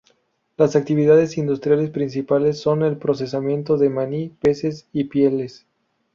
Las actividades industriales principales son el procesamiento de maní, peces, y pieles.